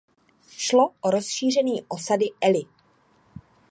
Šlo o rozšíření osady Eli.